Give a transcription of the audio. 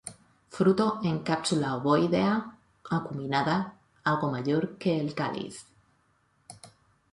Fruto en cápsula ovoidea, acuminada, algo mayor que el cáliz.